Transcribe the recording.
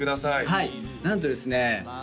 はいなんとですね